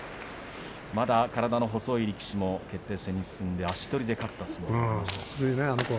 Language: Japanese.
まだ体の細い力士も決定戦に進んで足取りで勝った相撲もありました。